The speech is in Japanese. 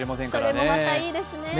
それもまた、いいですね。